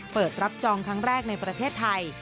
เปิดรับจองครั้งแรกในประเทศไทย